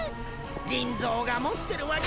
リンゾーが持ってるわけ。